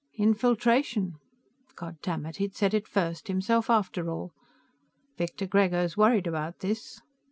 "Infiltration." Goddamit, he'd said it first, himself after all! "Victor Grego's worried about this."